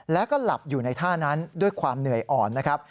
แล้วก็หลับอยู่ในท่านั้นด้วยความเหนื่อยอ่อนนะครับ